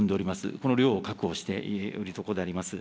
この量を確保しているところであります。